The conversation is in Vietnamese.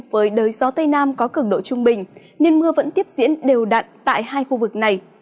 với đới gió tây nam có cường độ trung bình nên mưa vẫn tiếp diễn đều đặn tại hai khu vực này